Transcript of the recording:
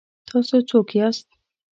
تاسو څوک یاست؟